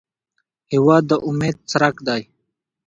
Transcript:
هېواد د امید څرک دی.